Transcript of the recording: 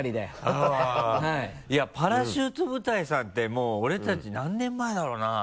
パラシュート部隊さんってもう俺たち何年前だろうな？